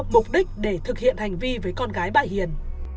mục đích để thực hiện hành vi với con gái bà hiền